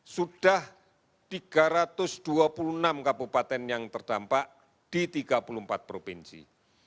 sudah tiga ratus dua puluh enam kabupaten yang terdampak di tiga puluh empat provinsi